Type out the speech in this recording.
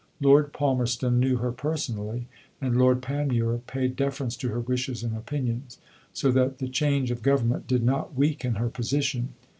Lord Palmerston knew her personally, and Lord Panmure paid deference to her wishes and opinions, so that the change of Government did not weaken her position.